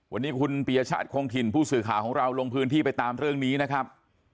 วันนี้คุณปียชาติคงถิ่นผู้สื่อข่าวของเราลงพื้นที่ไปตามเรื่องนี้นะครับ